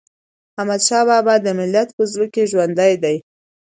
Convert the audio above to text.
احمدشاه بابا د ملت په زړه کي ژوندی دی.